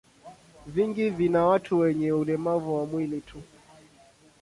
Vingi vina watu wenye ulemavu wa mwili tu.